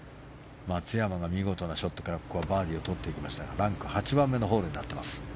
松山が見事なショットからバーディーをとっていきましたがランク８番目のホールになっています。